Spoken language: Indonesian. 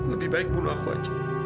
lebih baik bunuh aku aja